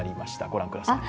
御覧ください。